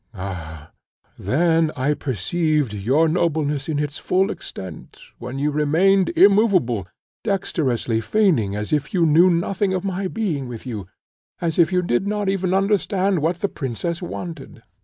Ah, then I perceived your nobleness in its full extent, when you remained immoveable, dexterously feigning as if you knew nothing of my being with you, as if you did not even understand what the princess wanted."